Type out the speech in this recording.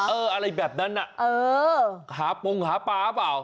เอออะไรแบบนั้นหาปรงหาปราหรือเปล่า